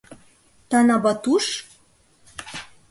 “Танабатуш?..